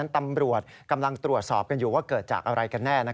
ตำรวจกำลังตรวจสอบกันอยู่ว่าเกิดจากอะไรกันแน่